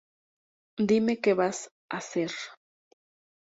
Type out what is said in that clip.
Dime Que Vas A Hacer?